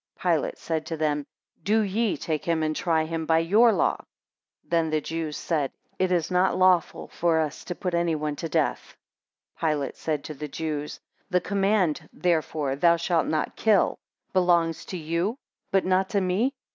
3 Pilate said to them, Do ye take him and try him by your law. 4 Then the Jews said, It is not lawful for us to put any one to death. 5 Pilate said to the Jews, The command, therefore, thou shalt not kill, belongs to you, but not to me.